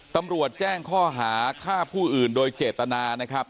ตำรวจแจ้งข้อหาฆ่าผู้อื่นโดยเจตนานะครับ